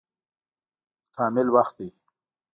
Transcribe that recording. کامل وخت دی.